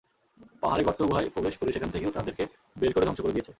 পাহাড়ে গর্ত-গুহায় প্রবেশ করে সেখান থেকেও তাদেরকে বের করে ধ্বংস করে দিয়েছে।